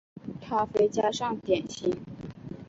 咖啡加上点心